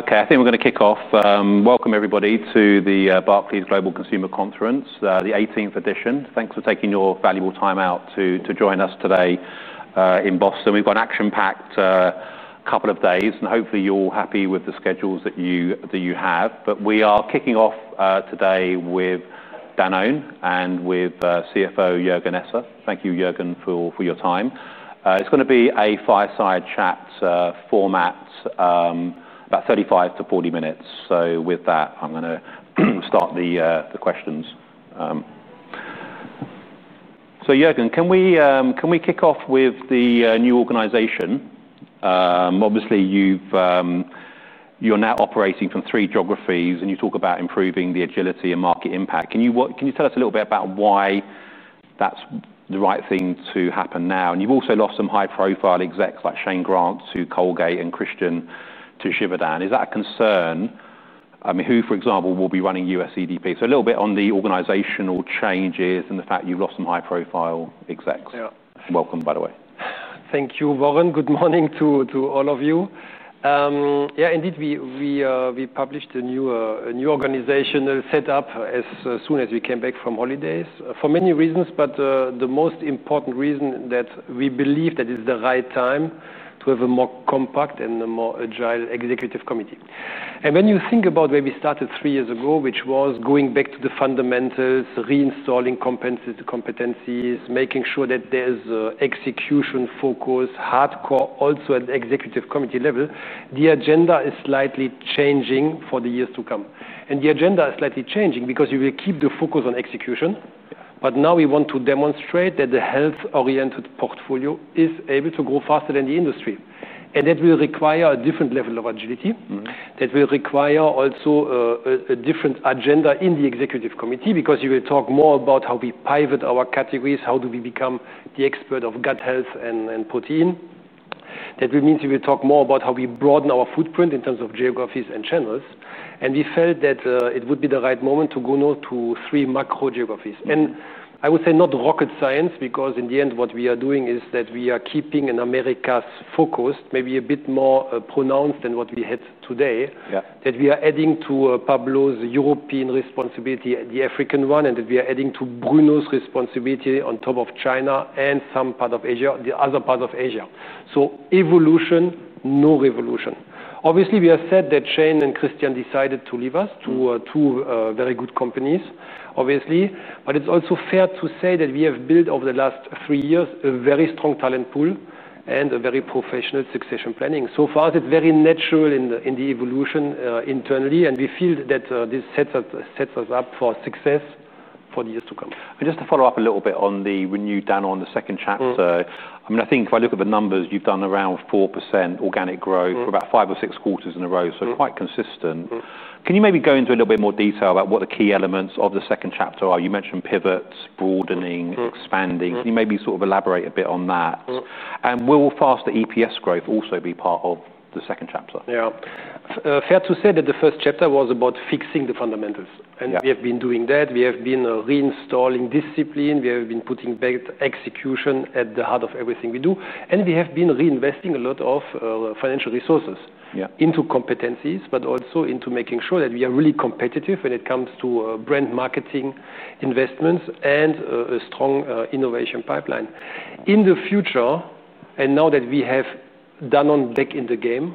OK, I think we're going to kick off. Welcome, everybody, to the Barclays' Global Consumer Conference, the 18th edition. Thanks for taking your valuable time out to join us today in Boston. We've got an action-packed couple of days, and hopefully you're all happy with the schedules that you have. We are kicking off today with Danone and with CFO Jürgen Esser. Thank you, Jürgen, for your time. It's going to be a fireside chat format, about 35 - 40 minutes. With that, I'm going to start the questions. Jürgen, can we kick off with the new organization? Obviously, you're now operating from three macro-geographies, and you talk about improving the agility and market impact. Can you tell us a little bit about why that's the right thing to happen now? You've also lost some high-profile execs like Shane Grant to Colgate and Christian Stammkoetter. Is that a concern? I mean, who, for example, will be running U.S. EDP? A little bit on the organizational changes and the fact you've lost some high-profile execs. Welcome, by the way. Thank you, Warren. Good morning to all of you. Yeah, indeed, we published a new organizational setup as soon as we came back from holidays, for many reasons. The most important reason is that we believe that it's the right time to have a more compact and more agile Executive Committee. When you think about where we started three years ago, which was going back to the fundamentals, reinstalling competencies, making sure that there's execution focus, hardcore, also at the Executive Committee level, the agenda is slightly changing for the years to come. The agenda is slightly changing because we will keep the focus on execution. Now we want to demonstrate that the health-oriented portfolio is able to grow faster than the industry. That will require a different level of agility. That will require also a different agenda in the Executive Committee, because you will talk more about how we pivot our categories, how do we become the expert of gut health and protein. That means we will talk more about how we broaden our footprint in terms of geographies and channels. We felt that it would be the right moment to go now to three macro-geographies. I would say not rocket science, because in the end, what we are doing is that we are keeping an America-focused, maybe a bit more pronounced than what we had today, that we are adding to Pablo's European responsibility the African one, and that we are adding to Bruno's responsibility on top of China and some parts of Asia, the other parts of Asia. Evolution, no revolution. Obviously, we have said that Shane and Christian decided to leave us, two very good companies, obviously. It's also fair to say that we have built, over the last three years, a very strong talent pool and a very professional succession planning. For us, it's very natural in the evolution internally. We feel that this sets us up for success for the years to come. To follow up a little bit on the renewed Danone, the second chapter, I think if I look at the numbers, you've done around 4% organic growth for about five or six quarters in a row, so quite consistent. Can you maybe go into a little bit more detail about what the key elements of the second chapter are? You mentioned pivots, broadening, expanding. Can you maybe sort of elaborate a bit on that? Will faster EPS growth also be part of the second chapter? Fair to say that the first chapter was about fixing the fundamentals. We have been doing that. We have been reinstalling discipline. We have been putting back execution at the heart of everything we do. We have been reinvesting a lot of financial resources into competencies, but also into making sure that we are really competitive when it comes to brand marketing, investments, and a strong innovation pipeline. In the future, now that we have Danone back in the game,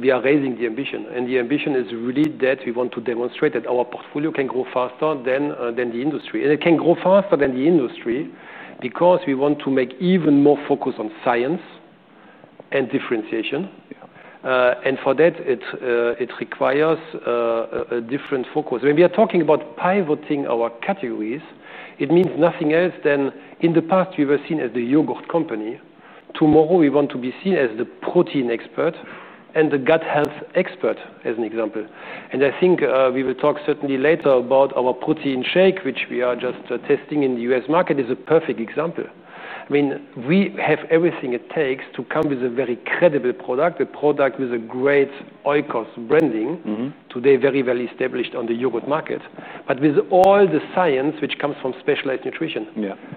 we are raising the ambition. The ambition is really that we want to demonstrate that our portfolio can grow faster than the industry. It can grow faster than the industry because we want to make even more focus on science and differentiation. For that, it requires a different focus. When we are talking about pivoting our categories, it means nothing else than in the past, we were seen as the yogurt company. Tomorrow, we want to be seen as the protein expert and the gut health expert, as an example. I think we will talk certainly later about our protein shake, which we are just testing in the U.S. market, is a perfect example. We have everything it takes to come with a very credible product, a product with a great Oikos branding, today very, very established on the yogurt market, but with all the science which comes from specialized nutrition.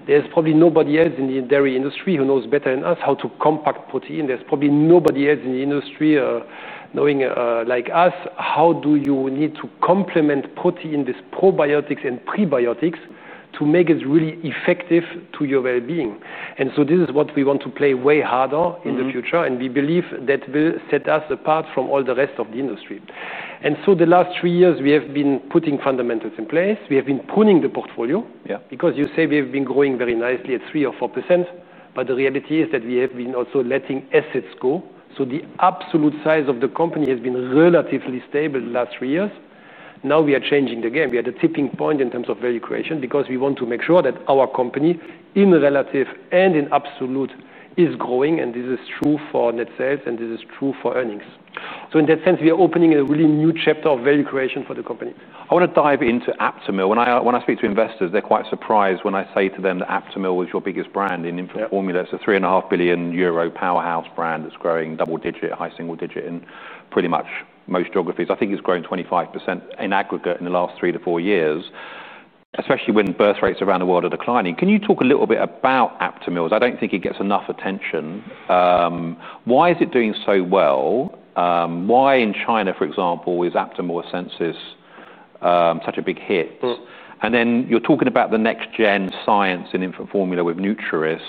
There's probably nobody else in the dairy industry who knows better than us how to compact protein. There's probably nobody else in the industry knowing like us how do you need to complement protein with probiotics and prebiotics to make it really effective to your well-being. This is what we want to play way harder in the future. We believe that will set us apart from all the rest of the industry. The last three years, we have been putting fundamentals in place. We have been pruning the portfolio. Because you say we have been growing very nicely at 3% or 4%, but the reality is that we have been also letting assets go. The absolute size of the company has been relatively stable the last three years. Now we are changing the game. We are at the tipping point in terms of value creation because we want to make sure that our company, in relative and in absolute, is growing. This is true for net sales, and this is true for earnings. In that sense, we are opening a really new chapter of value creation for the company. I want to dive into Aptamil. When I speak to investors, they're quite surprised when I say to them that Aptamil was your biggest brand in infant formula. It's a 3.5 billion euro powerhouse brand that's growing double digit, high single digit in pretty much most geographies. I think it's grown 25% in aggregate in the last three to four years, especially when birth rates around the world are declining. Can you talk a little bit about Aptamil? I don't think it gets enough attention. Why is it doing so well? Why in China, for example, is Aptamil's success such a big hit? You're talking about the next-gen science in infant formula with Nuturis,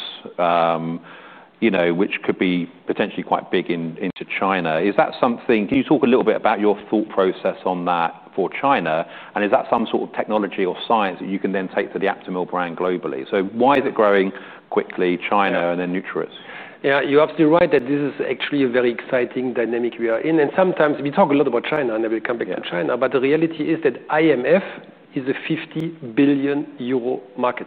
which could be potentially quite big into China. Can you talk a little bit about your thought process on that for China? Is that some sort of technology or science that you can then take to the Aptamil brand globally? Why is it growing quickly, China, and then Nuturis? Yeah, you're absolutely right that this is actually a very exciting dynamic we are in. Sometimes we talk a lot about China, and I will come back to China. The reality is that IMF is a 50 billion euro market.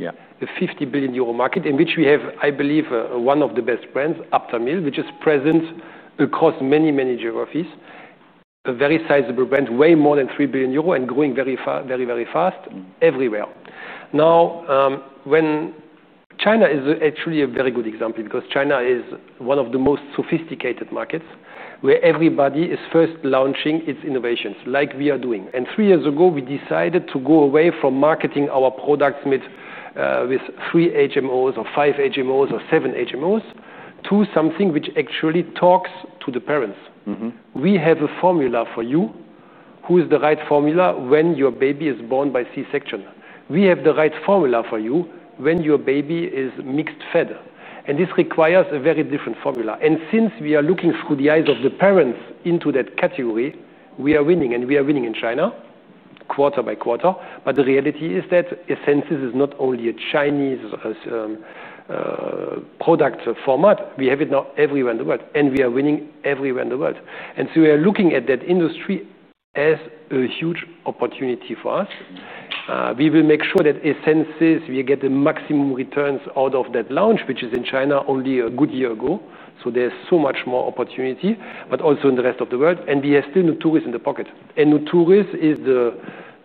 A 50 billion euro market in which we have, I believe, one of the best brands, Aptamil, which is present across many, many geographies. A very sizable brand, way more than 3 billion euros, and growing very, very, very fast everywhere. China is actually a very good example because China is one of the most sophisticated markets where everybody is first launching its innovations, like we are doing. Three years ago, we decided to go away from marketing our products with three HMOs, or five HMOs, or seven HMOs to something which actually talks to the parents. We have a formula for you. Who is the right formula when your baby is born by C-section? We have the right formula for you when your baby is mixed- fed. This requires a very different formula. Since we are looking through the eyes of the parents into that category, we are winning. We are winning in China, quarter by quarter. The reality is that Essensis is not only a Chinese product format. We have it now everywhere in the world. We are winning everywhere in the world. We are looking at that industry as a huge opportunity for us. We will make sure that Essensis, we get the maximum returns out of that launch, which is in China only a good year ago. There is so much more opportunity, but also in the rest of the world. We are still Nuturis in the pocket. Nuturis is the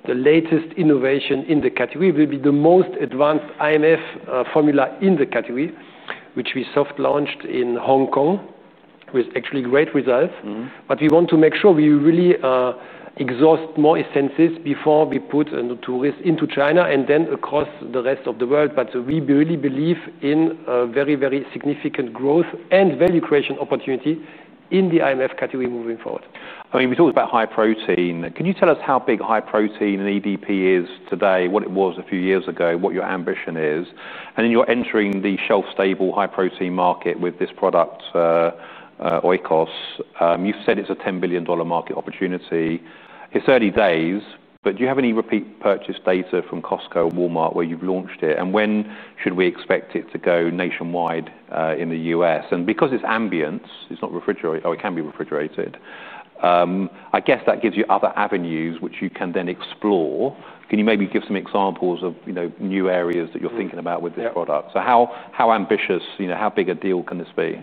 latest innovation in the category. It will be the most advanced IMF formula in the category, which we soft-launched in Hong Kong with actually great results. We want to make sure we really exhaust more Essensis before we put Nuturis into China and then across the rest of the world. We really believe in very, very significant growth and value creation opportunity in the IMF category moving forward. I mean, we talked about high protein. Can you tell us how big high protein and EDP is today, what it was a few years ago, what your ambition is? You're entering the shelf-stable high protein market with this product, Oikos. You said it's a $10 billion market opportunity. It's 30 days. Do you have any repeat purchase data from Costco, Walmart, where you've launched it? When should we expect it to go nationwide in the U.S.? Because it's ambient, it's not refrigerated. Oh, it can be refrigerated. I guess that gives you other avenues which you can then explore. Can you maybe give some examples of new areas that you're thinking about with this product? How ambitious, how big a deal can this be?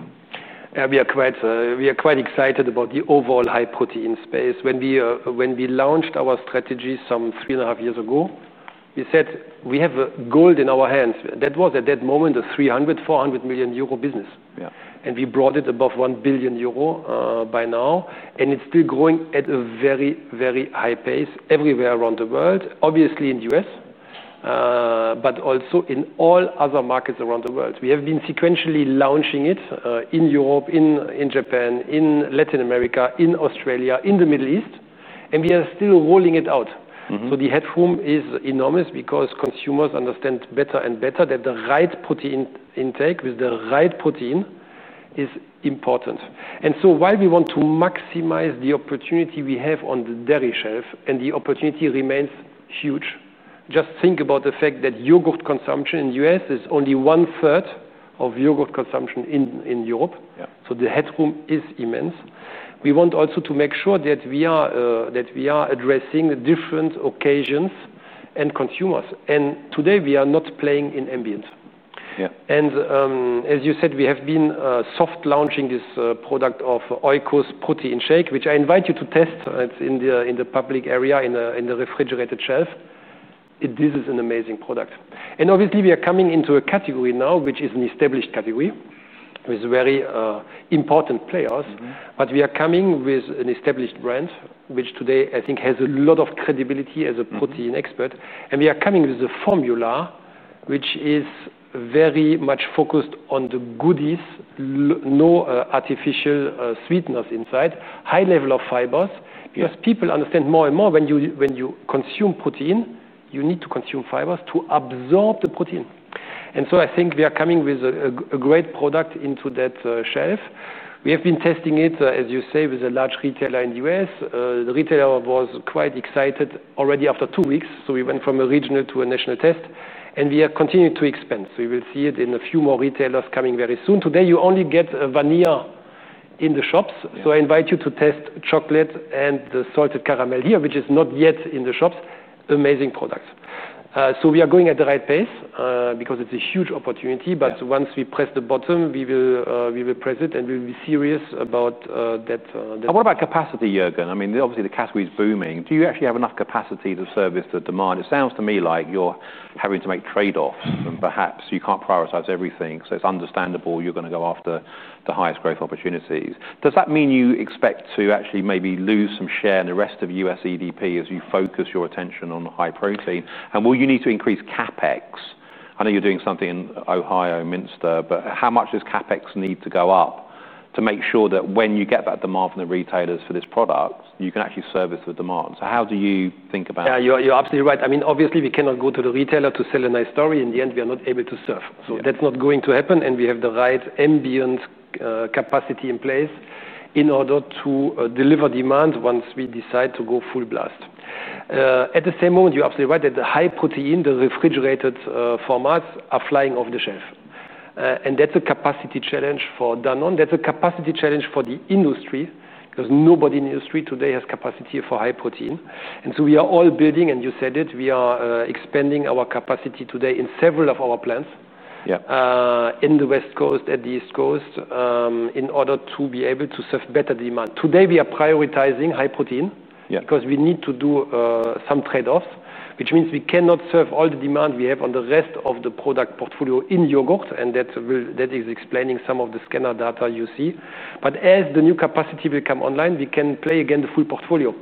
We are quite excited about the overall high protein space. When we launched our strategy some 3.5 years ago, we said we have gold in our hands. That was, at that moment, a 300 million euro- 400 million euro business. We brought it above 1 billion euro by now, and it's still growing at a very, very high pace everywhere around the world, obviously in the U.S., but also in all other markets around the world. We have been sequentially launching it in Europe, in Japan, in Latin America, in Australia, in the Middle East. We are still rolling it out. The headroom is enormous because consumers understand better and better that the right protein intake with the right protein is important. While we want to maximize the opportunity we have on the dairy shelf, and the opportunity remains huge, just think about the fact that yogurt consumption in the U.S. is only 1/3 of yogurt consumption in Europe. The headroom is immense. We want also to make sure that we are addressing different occasions and consumers. Today, we are not playing in ambient. As you said, we have been soft-launching this product of Oikos protein shake, which I invite you to test. It's in the public area, in the refrigerated shelf. This is an amazing product. Obviously, we are coming into a category now, which is an established category, with very important players. We are coming with an established brand, which today I think has a lot of credibility as a protein expert. We are coming with a formula which is very much focused on the goodies, no artificial sweeteners inside, high level of fibers. People understand more and more when you consume protein, you need to consume fibers to absorb the protein. I think we are coming with a great product into that shelf. We have been testing it, as you say, with a large retailer in the U.S. The retailer was quite excited already after two weeks. We went from a regional to a national test, and we are continuing to expand. You will see it in a few more retailers coming very soon. Today, you only get vanilla in the shops. I invite you to test chocolate and the salted caramel here, which is not yet in the shops. Amazing product. We are going at the right pace because it's a huge opportunity. Once we press the button, we will press it, and we'll be serious about that. What about capacity, Jürgen? I mean, obviously, the category is booming. Do you actually have enough capacity to service the demand? It sounds to me like you're having to make a trade-off, and perhaps you can't prioritize everything. It's understandable you're going to go after the highest growth opportunities. Does that mean you expect to actually maybe lose some share in the rest of U.S. EDP as you focus your attention on high protein? Will you need to increase CapEx? I know you're doing something in Ohio and Minster. How much does CapEx need to go up to make sure that when you get that demand from the retailers for this product, you can actually service the demand? How do you think about it? Yeah, you're absolutely right. I mean, obviously, we cannot go to the retailer to sell a nice story. In the end, we are not able to serve. That's not going to happen. We have the right ambience capacity in place in order to deliver demand once we decide to go full blast. At the same moment, you're absolutely right that the high protein, the refrigerated formats are flying off the shelf. That's a capacity challenge for Danone. That's a capacity challenge for the industry, because nobody in the industry today has capacity for high protein. We are all building, and you said it, we are expanding our capacity today in several of our plants, in the West Coast, at the East Coast, in order to be able to serve better demand. Today, we are prioritizing high protein because we need to do some trade-offs, which means we cannot serve all the demand we have on the rest of the product portfolio in yogurt. That is explaining some of the scanner data you see. As the new capacity will come online, we can play again the full portfolio.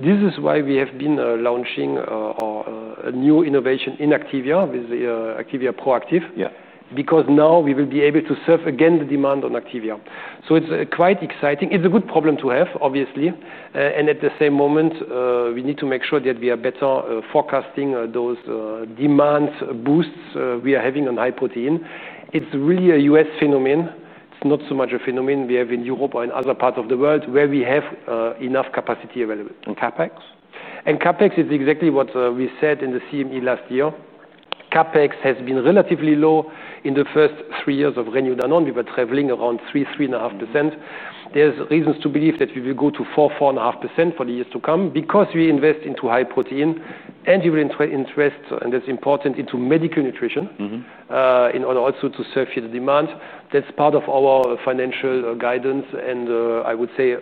This is why we have been launching a new innovation in Activia, with Activia Proactive, because now we will be able to serve again the demand on Activia. It's quite exciting. It's a good problem to have, obviously. At the same moment, we need to make sure that we are better forecasting those demand boosts we are having on high protein. It's really a U.S. phenomenon. It's not so much a phenomenon we have in Europe or in other parts of the world where we have enough capacity available. And CAPEX? CAPEX is exactly what we said in the CME last year. CAPEX has been relatively low in the first three years of Renew Danone. We were traveling around 3% -3.5%. There are reasons to believe that we will go to 4%- 4.5% for the years to come because we invest into high protein. We will invest, and that's important, into medical nutrition in order also to serve the demand. That's part of our financial guidance. I would say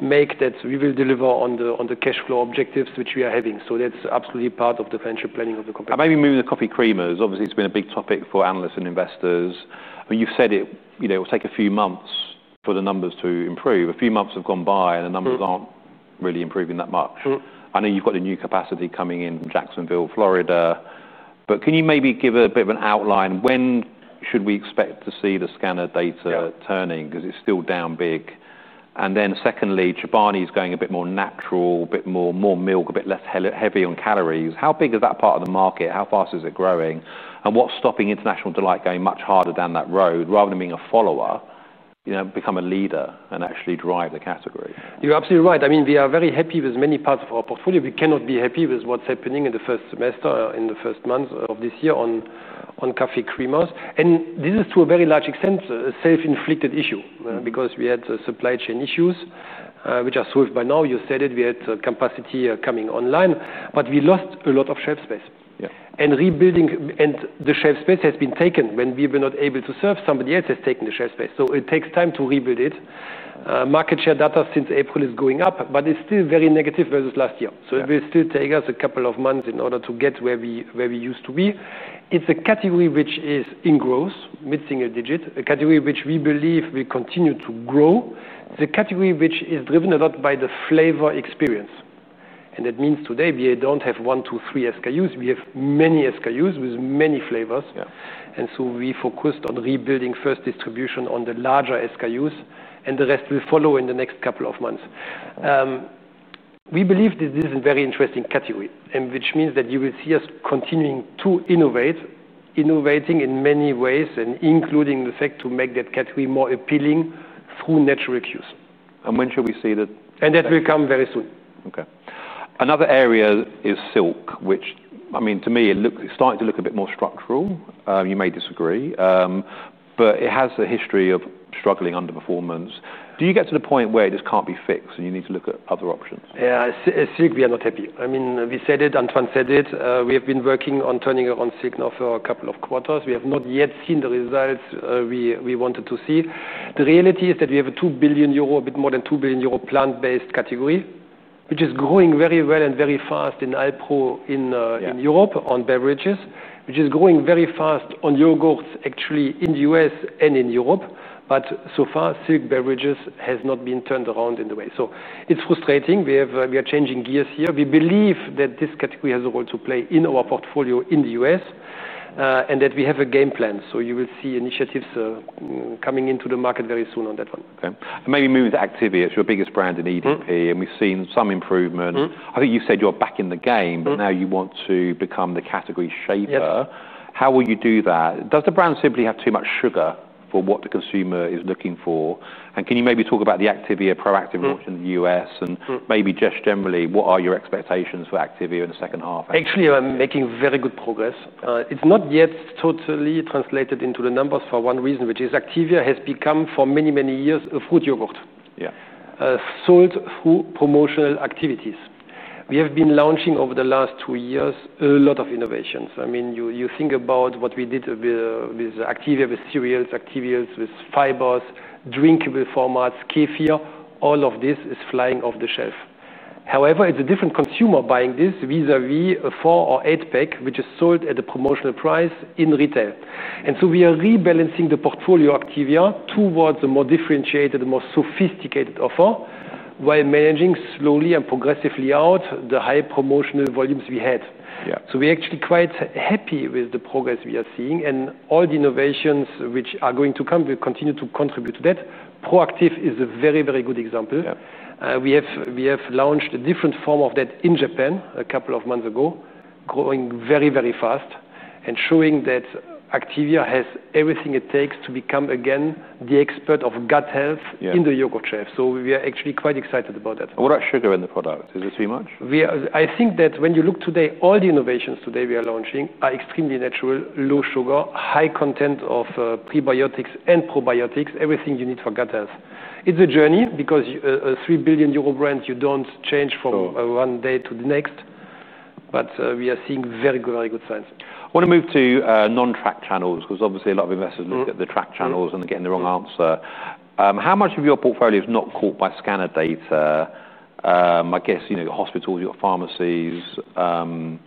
we will deliver on the cash flow objectives which we are having. That's absolutely part of the financial planning of the company. Maybe moving to the coffee creamers, obviously, it's been a big topic for analysts and investors. You've said it will take a few months for the numbers to improve. A few months have gone by, and the numbers aren't really improving that much. I know you've got the new capacity coming in Jacksonville, Florida. Can you maybe give a bit of an outline? When should we expect to see the scanner data turning? It's still down big. Secondly, Chobani is going a bit more natural, a bit more milk, a bit less heavy on calories. How big is that part of the market? How fast is it growing? What's stopping International Delight going much harder down that road rather than being a follower, you know, become a leader and actually drive the category? You're absolutely right. I mean, we are very happy with many parts of our portfolio. We cannot be happy with what's happening in the first semester, in the first months of this year on coffee creamers. This is, to a very large extent, a self-inflicted issue, because we had supply chain issues, which are solved by now. You said it. We had capacity coming online. We lost a lot of shelf space, and rebuilding the shelf space has been taken. When we were not able to serve, somebody else has taken the shelf space. It takes time to rebuild it. Market share data since April is going up, but it's still very negative versus last year. It will still take us a couple of months in order to get where we used to be. It's a category which is in growth, mid-single digit, a category which we believe will continue to grow. It's a category which is driven a lot by the flavor experience. That means today we don't have one, two, three SKUs. We have many SKUs with many flavors, and we focused on rebuilding first distribution on the larger SKUs. The rest will follow in the next couple of months. We believe this is a very interesting category, which means that you will see us continuing to innovate, innovating in many ways, including the fact to make that category more appealing through natural cues. When shall we see that? That will come very soon. OK. Another area is Silk, which, I mean, to me, it's starting to look a bit more structural. You may disagree. It has a history of struggling underperformance. Do you get to the point where this can't be fixed and you need to look at other options? Yeah, Silk, we are not happy. I mean, we said it and transcended it. We have been working on turning around Silk now for a couple of quarters. We have not yet seen the results we wanted to see. The reality is that we have a 2 billion euro, a bit more than 2 billion euro plant-based category, which is growing very well and very fast in Alpro, in Europe, on beverages, which is growing very fast on yogurts, actually, in the U.S. and in Europe. However, so far, Silk beverages have not been turned around in a way. It is frustrating. We are changing gears here. We believe that this category has a role to play in our portfolio in the U.S. and that we have a game plan. You will see initiatives coming into the market very soon on that one. OK. Maybe moving to Activia, it's your biggest brand in EDP. We've seen some improvement. I think you said you're back in the game, but now you want to become the category shaper. How will you do that? Does the brand simply have too much sugar for what the consumer is looking for? Can you maybe talk about the Activia Proactive launch in the U.S.? Maybe just generally, what are your expectations for Activia in the second half? Actually, we are making very good progress. It's not yet totally translated into the numbers for one reason, which is Activia has become, for many, many years, a fruit yogurt sold through promotional activities. We have been launching over the last two years a lot of innovations. I mean, you think about what we did with Activia, with cereals, Activia, with fibers, drinkable formats, kefir. All of this is flying off the shelf. However, it's a different consumer buying this vis-à-vis a four or eight pack, which is sold at the promotional price in retail. We are rebalancing the portfolio of Activia towards a more differentiated, more sophisticated offer while managing slowly and progressively out the high promotional volumes we had. We're actually quite happy with the progress we are seeing, and all the innovations which are going to come will continue to contribute to that. Proactive is a very, very good example. We have launched a different form of that in Japan a couple of months ago, growing very, very fast and showing that Activia has everything it takes to become, again, the expert of gut health in the yogurt shelf. We are actually quite excited about that. What about sugar in the product? Is it too much? I think that when you look today, all the innovations today we are launching are extremely natural, low sugar, high content of prebiotics and probiotics, everything you need for gut health. It's a journey because a 3 billion euro brand, you don't change from one day to the next. We are seeing very, very good signs. I want to move to non-track channels, because obviously a lot of investors look at the track channels and are getting the wrong answer. How much of your portfolio is not caught by scanner data? I guess you've got hospitals, you've got pharmacies. Can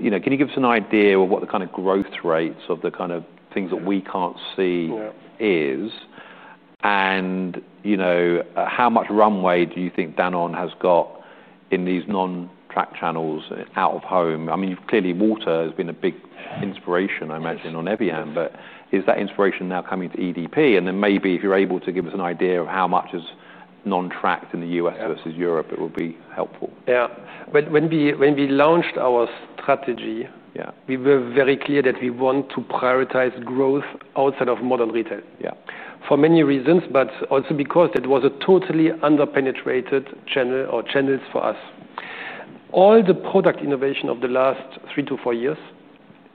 you give us an idea of what the kind of growth rates of the kind of things that we can't see is? How much runway do you think Danone has got in these non-track channels out of home? I mean, clearly, water has been a big inspiration, I imagine, on evian. Is that inspiration now coming to EDP? Maybe if you're able to give us an idea of how much is non-tracked in the U.S. versus Europe, it would be helpful. Yeah. When we launched our strategy, we were very clear that we want to prioritize growth outside of modern retail, for many reasons, but also because it was a totally underpenetrated channel or channels for us. All the product innovation of the last three to four years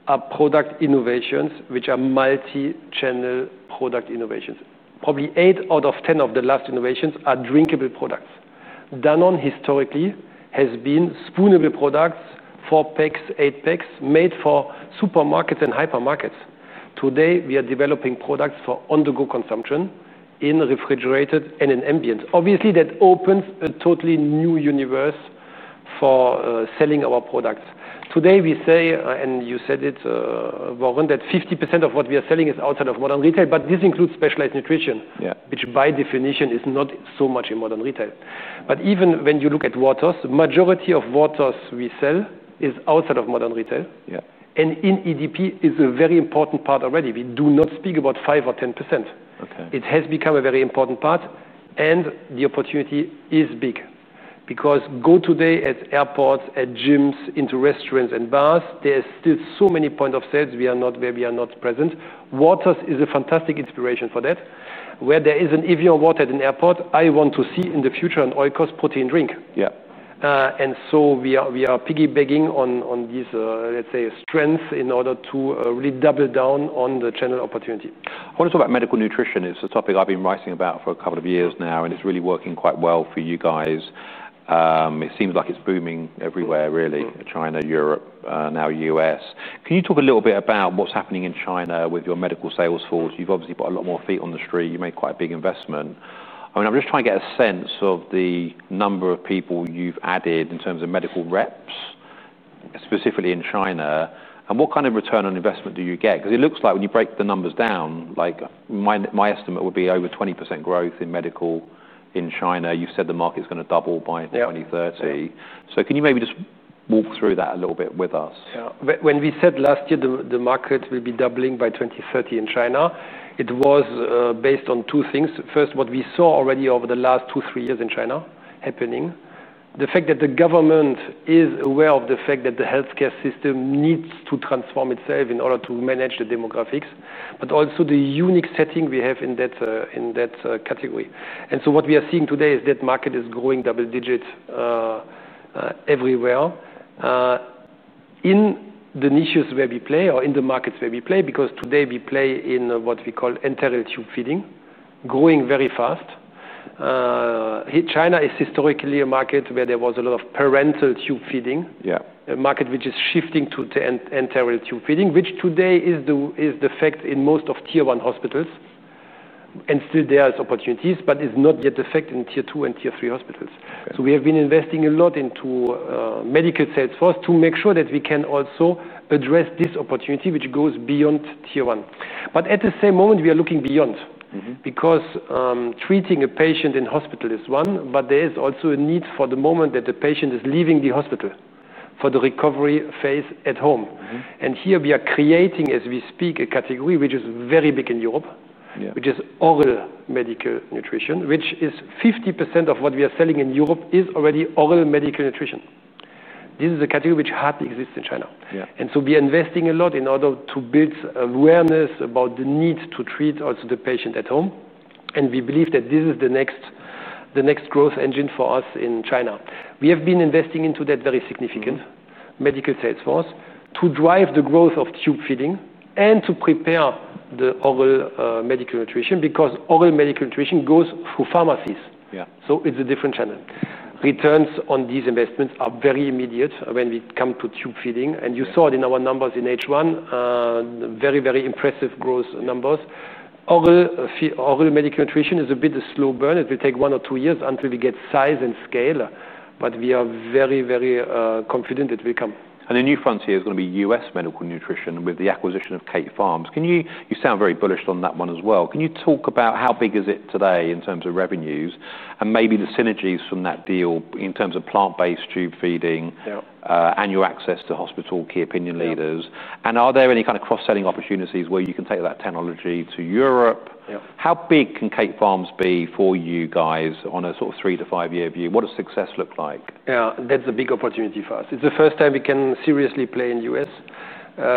are product innovations which are multi-channel product innovations. Probably 8 out of 10 of the last innovations are drinkable products. Danone historically has been spoonable products, four packs, eight packs, made for supermarkets and hypermarkets. Today, we are developing products for on-the-go consumption in refrigerated and in ambient. Obviously, that opens a totally new universe for selling our products. Today, we say, and you said it, Warren, that 50% of what we are selling is outside of modern retail. This includes specialized nutrition, which by definition is not so much in modern retail. Even when you look at waters, the majority of waters we sell is outside of modern retail. In EDP, it's a very important part already. We do not speak about 5% or 10%. It has become a very important part. The opportunity is big. Go today at airports, at gyms, into restaurants and bars, there are still so many points of sales where we are not present. Waters is a fantastic inspiration for that. Where there isn't evian water at an airport, I want to see in the future an Oikos protein drink. Yeah. We are piggybacking on these, let's say, strengths in order to really double down on the channel opportunity. I want to talk about medical nutrition. It's a topic I've been writing about for a couple of years now, and it's really working quite well for you guys. It seems like it's booming everywhere, really, China, Europe, now the U.S. Can you talk a little bit about what's happening in China with your medical sales force? You've obviously put a lot more feet on the street. You made quite a big investment. I'm just trying to get a sense of the number of people you've added in terms of medical reps, specifically in China. What kind of return on investment do you get? It looks like when you break the numbers down, my estimate would be over 20% growth in medical in China. You said the market's going to double by 2030. Can you maybe just walk through that a little bit with us? Yeah. When we said last year the market will be doubling by 2030 in China, it was based on two things. First, what we saw already over the last two or three years in China happening, the fact that the government is aware of the fact that the health care system needs to transform itself in order to manage the demographics, but also the unique setting we have in that category. What we are seeing today is that market is growing double digit everywhere in the niches where we play or in the markets where we play. Today we play in what we call enteral tube feeding, growing very fast. China is historically a market where there was a lot of parenteral tube feeding, a market which is shifting to enteral tube feeding, which today is the fact in most of Tier 1 hospitals. There are opportunities, but it's not yet the fact in Tier 2 and Tier 3 hospitals. We have been investing a lot into medical sales force to make sure that we can also address this opportunity, which goes beyond Tier 1. At the same moment, we are looking beyond. Treating a patient in hospital is one, but there is also a need for the moment that the patient is leaving the hospital for the recovery phase at home. Here we are creating, as we speak, a category which is very big in Europe, which is oral medical nutrition, which is 50% of what we are selling in Europe is already oral medical nutrition. This is a category which hardly exists in China. We are investing a lot in order to build awareness about the need to treat also the patient at home. We believe that this is the next growth engine for us in China. We have been investing into that very significant medical sales force to drive the growth of tube feeding and to prepare the oral medical nutrition, because oral medical nutrition goes through pharmacies. It's a different channel. Returns on these investments are very immediate when we come to tube feeding. You saw it in our numbers in H1, very, very impressive growth numbers. Oral medical nutrition is a bit of a slow burn. It will take one or two years until we get size and scale. We are very, very confident it will come. The new focus here is going to be U.S. medical nutrition with the acquisition of Kate Farms. You sound very bullish on that one as well. Can you talk about how big is it today in terms of revenues, and maybe the synergies from that deal in terms of plant-based tube feeding, annual access to hospital key opinion leaders? Are there any kind of cross-selling opportunities where you can take that technology to Europe? How big can Kate Farms be for you guys on a sort of three to five-year view? What does success look like? Yeah, that's a big opportunity for us. It's the first time we can seriously play in the U.S.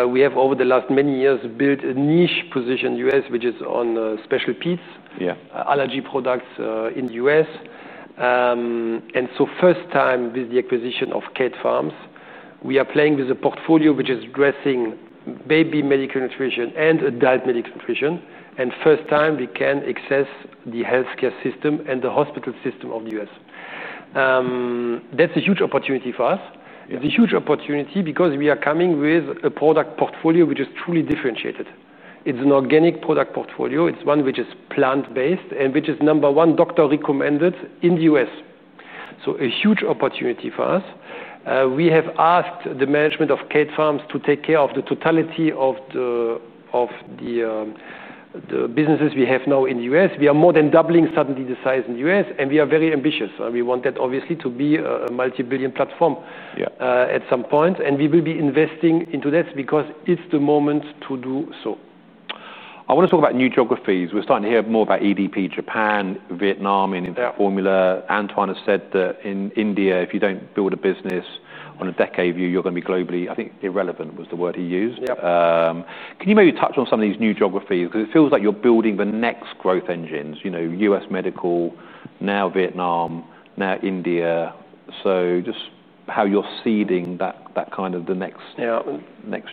We have, over the last many years, built a niche position in the U.S., which is on special peds, allergy products in the U.S. First time with the acquisition of Kate Farms, we are playing with a portfolio which is addressing baby medical nutrition and diabetic nutrition. First time we can access the health care system and the hospital system of the U.S. That's a huge opportunity for us. It's a huge opportunity because we are coming with a product portfolio which is truly differentiated. It's an organic product portfolio. It's one which is plant-based and which is number one doctor-recommended in the U.S. A huge opportunity for us. We have asked the management of Kate Farms to take care of the totality of the businesses we have now in the U.S. We are more than doubling suddenly the size in the U.S., and we are very ambitious. We want that, obviously, to be a multi-billion platform at some point. We will be investing into this because it's the moment to do so. I want to talk about new geographies. We're starting to hear more about EDP, Japan, Vietnam in formula. Antoine has said that in India, if you don't build a business on a decade view, you're going to be globally, I think irrelevant was the word he used. Can you maybe touch on some of these new geographies? It feels like you're building the next growth engines, you know, U.S. medical, now Vietnam, now India. Just how you're seeding that kind of the next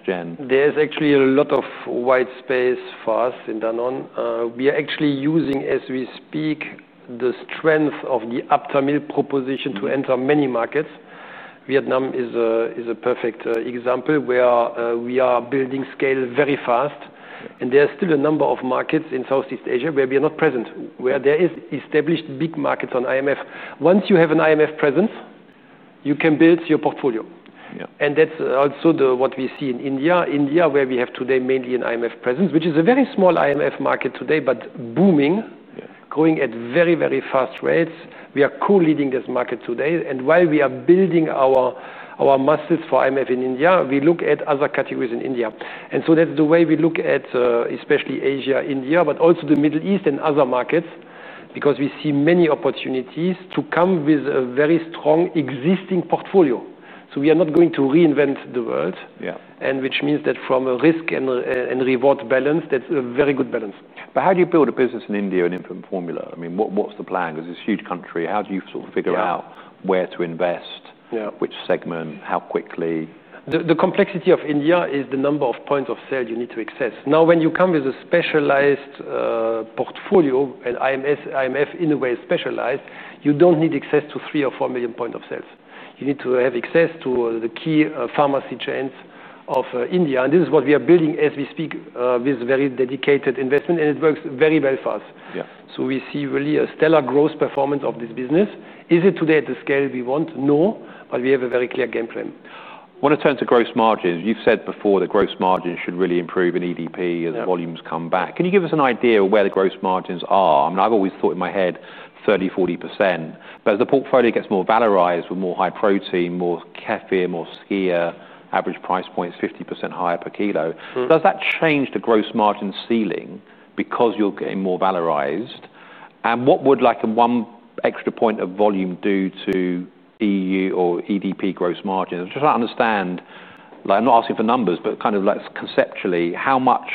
gen. There's actually a lot of white space for us in Danone. We are actually using, as we speak, the strength of the Actimel proposition to enter many markets. Vietnam is a perfect example where we are building scale very fast. There are still a number of markets in Southeast Asia where we are not present, where there are established big markets on IMF. Once you have an IMF presence, you can build your portfolio. That's also what we see in India, where we have today mainly an IMF presence, which is a very small IMF market today, but booming, growing at very, very fast rates. We are co-leading this market today. While we are building our muscles for IMF in India, we look at other categories in India. That's the way we look at especially Asia, India, but also the Middle East and other markets, because we see many opportunities to come with a very strong existing portfolio. We are not going to reinvent the world, which means that from a risk and reward balance, that's a very good balance. How do you build a business in India in infant formula? I mean, what's the plan? It's a huge country. How do you sort of figure out where to invest, which segment, how quickly? The complexity of India is the number of points of sale you need to access. Now, when you come with a specialized portfolio and IMF in a way specialized, you don't need access to 3 or 4 million points of sale. You need to have access to the key pharmacy chains of India. This is what we are building, as we speak, with very dedicated investment. It works very well for us. We see really a stellar growth performance of this business. Is it today at the scale we want? No. We have a very clear game plan. I want to turn to gross margins. You've said before that gross margins should really improve in EDP as volumes come back. Can you give us an idea of where the gross margins are? I mean, I've always thought in my head 30%- 40%. As the portfolio gets more valorized with more high protein, more kefir, more skyr, average price points 50% higher per kg, does that change the gross margin ceiling because you're getting more valorized? What would one extra point of volume do to EU or EDP gross margins? I'm just trying to understand, like I'm not asking for numbers, but kind of like conceptually, how much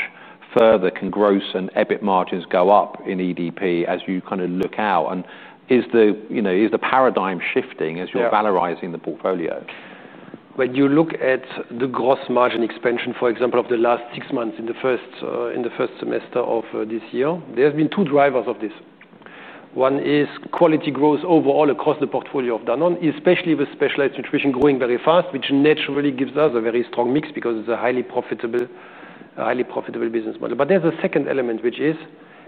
further can gross and EBIT margins go up in EDP as you look out? Is the paradigm shifting as you're valorizing the portfolio? When you look at the gross margin expansion, for example, of the last six months in the first semester of this year, there have been two drivers of this. One is quality growth overall across the portfolio of Danone, especially with specialized nutrition growing very fast, which naturally gives us a very strong mix because it's a highly profitable business model. There's a second element, which is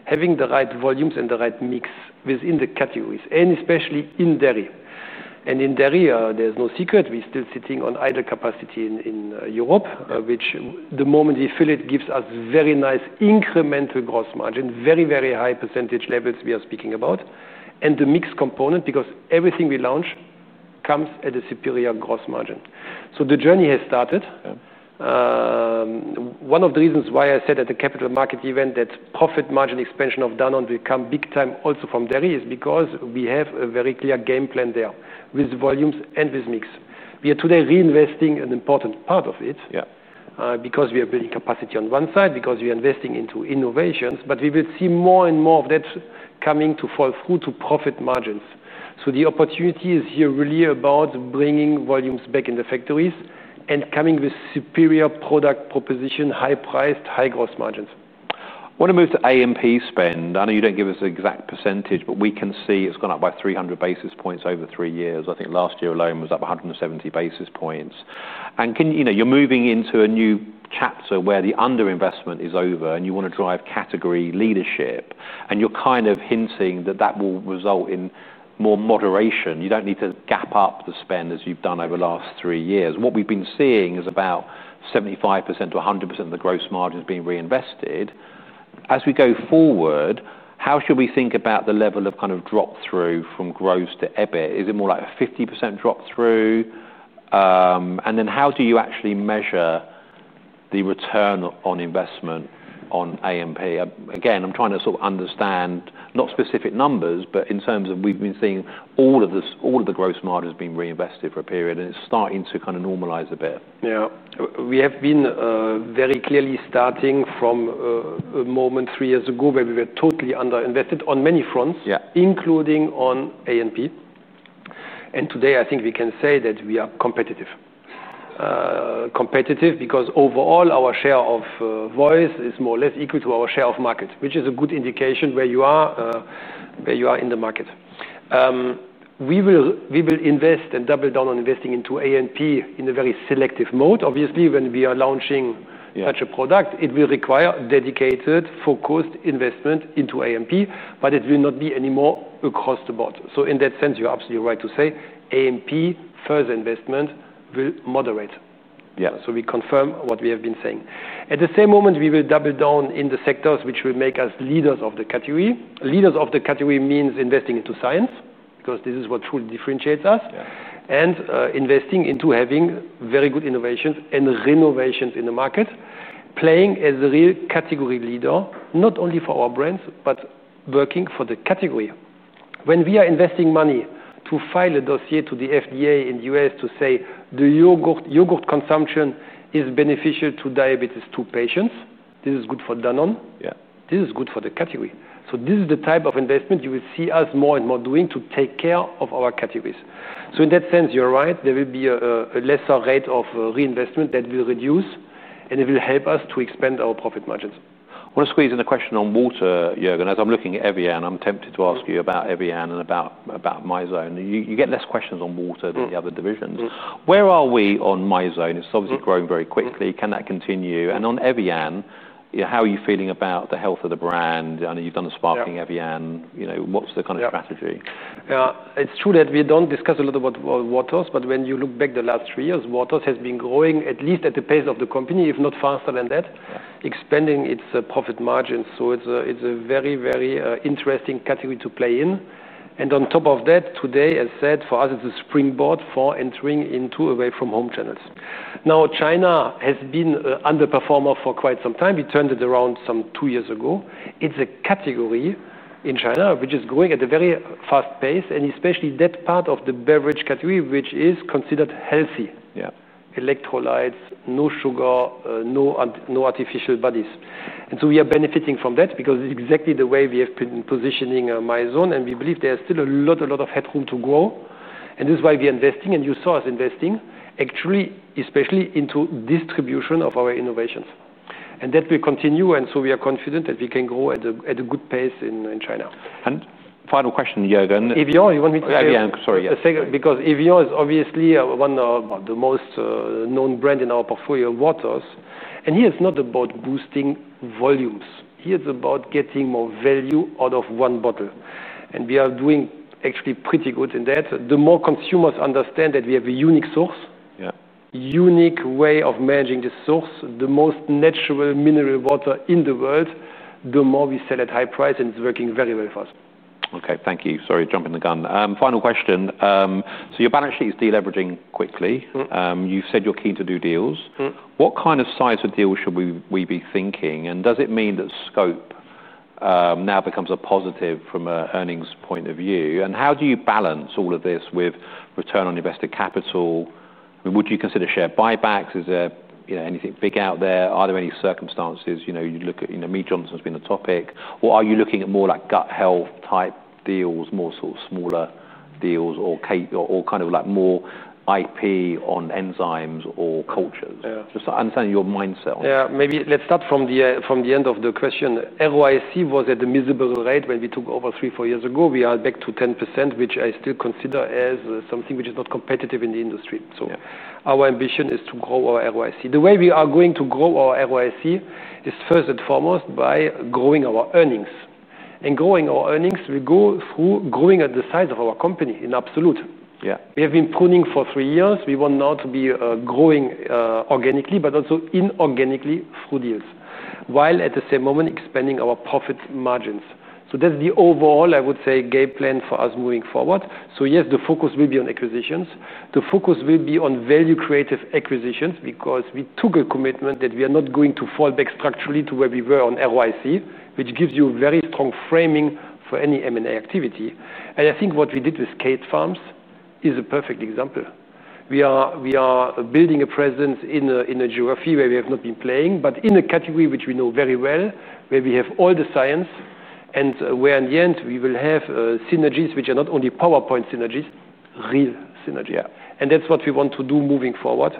having the right volumes and the right mix within the categories, especially in dairy. In dairy, there's no secret. We're still sitting on idle capacity in Europe, which the moment the affiliate gives us very nice incremental gross margin, very, very high percentage levels we are speaking about, and the mix component, because everything we launch comes at a superior gross margin. The journey has started. One of the reasons why I said at the Capital Markets event that profit margin expansion of Danone will come big time also from dairy is because we have a very clear game plan there with volumes and with mix. We are today reinvesting an important part of it because we are building capacity on one side, because we are investing into innovations. We will see more and more of that coming to fall through to profit margins. The opportunity is here really about bringing volumes back in the factories and coming with superior product proposition, high priced, high gross margins. I want to move to AMP spend. I know you don't give us an exact percentage, but we can see it's gone up by 300 basis points over three years. I think last year alone was up 170 basis points. You're moving into a new CAPSA where the underinvestment is over, and you want to drive category leadership. You're kind of hinting that that will result in more moderation. You don't need to gap up the spend as you've done over the last three years. What we've been seeing is about 75%-1 00% of the gross margins being reinvested. As we go forward, how should we think about the level of kind of drop through from gross to EBIT? Is it more like a 50% drop through? How do you actually measure the return on investment on AMP? I'm trying to sort of understand not specific numbers, but in terms of we've been seeing all of the gross margins being reinvested for a period, and it's starting to kind of normalize a bit. Yeah. We have been very clearly starting from a moment three years ago where we were totally underinvested on many fronts, including on AMP. Today, I think we can say that we are competitive, competitive because overall our share of voice is more or less equal to our share of market, which is a good indication where you are in the market. We will invest and double down on investing into AMP in a very selective mode. Obviously, when we are launching such a product, it will require dedicated, focused investment into AMP. It will not be anymore across the board. In that sense, you're absolutely right to say AMP further investment will moderate. We confirm what we have been saying. At the same moment, we will double down in the sectors which will make us leaders of the category. Leaders of the category means investing into science, because this is what truly differentiates us, and investing into having very good innovations and renovations in the market, playing as the real category leader, not only for our brands, but working for the category. When we are investing money to file a dossier to the FDA in the U.S. to say the yogurt consumption is beneficial to diabetes 2 patients, this is good for Danone. This is good for the category. This is the type of investment you will see us more and more doing to take care of our categories. In that sense, you're right. There will be a lesser rate of reinvestment that will reduce, and it will help us to expand our profit margins. I want to squeeze in a question on water, Jürgen. As I'm looking at evian, I'm tempted to ask you about evian and about Mizone. You get less questions on water than the other divisions. Where are we on Mizone? It's obviously growing very quickly. Can that continue? On evian, how are you feeling about the health of the brand? I know you've done a spark in evian. What's the kind of strategy? Yeah. It's true that we don't discuss a lot about waters. When you look back the last three years, waters has been growing at least at the pace of the company, if not faster than that, expanding its profit margins. It's a very, very interesting category to play in. On top of that, today, as I said, for us, it's a springboard for entering into away-from-home channels. China has been an underperformer for quite some time. We turned it around some two years ago. It's a category in China which is growing at a very fast pace, especially that part of the beverage category which is considered healthy, electrolytes, no sugar, no artificial bodies. We are benefiting from that because it's exactly the way we have been positioning. We believe there is still a lot, a lot of headroom to grow. This is why we are investing, and you saw us investing, actually, especially into distribution of our innovations. That will continue. We are confident that we can grow at a good pace in China. Final question, Jürgen. evian, you want me to? evian, sorry. Because evian is obviously one of the most known brands in our portfolio, waters. Here it's not about boosting volumes. Here it's about getting more value out of one bottle, and we are doing actually pretty good in that. The more consumers understand that we have a unique source, a unique way of managing this source, the most natural mineral water in the world, the more we sell at high price, and it's working very well for us. OK, thank you. Sorry, jumping the gun. Final question. Your balance sheet is deleveraging quickly. You've said you're keen to do deals. What kind of size of deals should we be thinking? Does it mean that scope now becomes a positive from an earnings point of view? How do you balance all of this with return on invested capital? Would you consider share buybacks? Is there anything big out there? Are there any circumstances? You look at, you know, Mead Johnson has been a topic. Are you looking at more like gut health type deals, more sort of smaller deals, or kind of like more IP on enzymes or cultures? Just understanding your mindset on it. Yeah, maybe let's start from the end of the question. ROIC was at a miserable rate when we took over three, four years ago. We are back to 10%, which I still consider as something which is not competitive in the industry. Our ambition is to grow our ROIC. The way we are going to grow our ROIC is first and foremost by growing our earnings. Growing our earnings, we go through growing the size of our company in absolute. We have been pruning for three years. We want now to be growing organically, but also inorganically through deals, while at the same moment expanding our profit margins. That's the overall, I would say, game plan for us moving forward. Yes, the focus will be on acquisitions. The focus will be on value-accretive acquisitions, because we took a commitment that we are not going to fall back structurally to where we were on ROIC, which gives you a very strong framing for any M&A activity. I think what we did with Kate Farms is a perfect example. We are building a presence in a geography where we have not been playing, but in a category which we know very well, where we have all the science, and where in the end we will have synergies which are not only PowerPoint synergies, real synergy. That's what we want to do moving forward,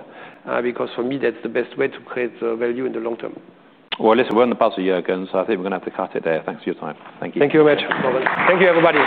because for me, that's the best way to create value in the long term. It's a wonderful past year, Jürgen. I think we're going to have to cut it there. Thanks for your time. Thank you. Thank you very much, Warren. Thank you, everybody.